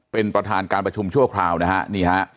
เป็นประธานการประชุมชั่วคราวนะฮะนี่ฮะ